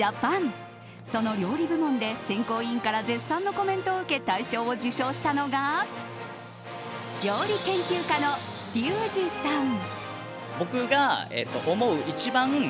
その料理部門で選考委員から絶賛のコメントを受け大賞を受賞したのが料理研究家のリュウジさん。